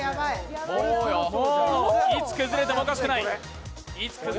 もういつ崩れてもおかしくない。